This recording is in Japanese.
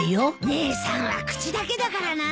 姉さんは口だけだからな。